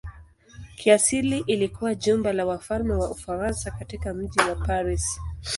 Kiasili ilikuwa jumba la wafalme wa Ufaransa katika mji wa Paris.